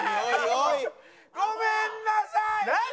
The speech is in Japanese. ごめんなさい！